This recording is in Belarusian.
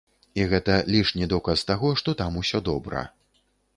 І гэта лішні доказ таго, што там усё добра.